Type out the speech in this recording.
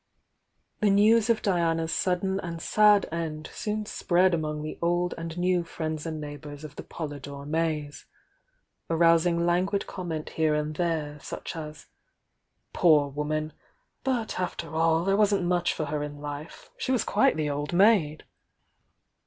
The news of Diana's sudden and sad end soon spread among the old and new friends and nei^ bours of the Polydore Mays, arousing languid com ment here and there, such as: "Poor woman! But, after all, there wasn't much for her in life— she was quite the old maid!"